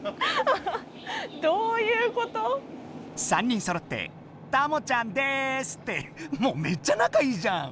３人そろってたもちゃんですってもうめっちゃ仲いいじゃん！